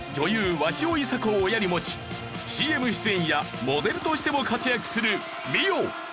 鷲尾いさ子を親に持ちＣＭ出演やモデルとしても活躍する美緒。